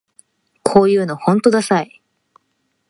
こういうのほんとダサい